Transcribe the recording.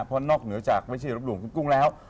เพราะนอกเหนือจากวิชียรบรูปของคุณกุ้งแล้ว